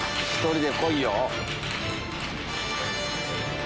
１人で来いよ。